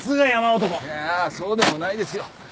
いやそうでもないですよ。